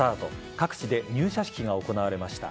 各地で入社式が行われました。